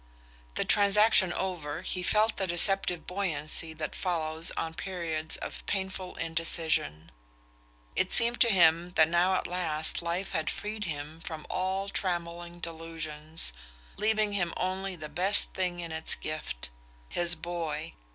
The transaction over, he felt the deceptive buoyancy that follows on periods of painful indecision. It seemed to him that now at last life had freed him from all trammelling delusions, leaving him only the best thing in its gift his boy.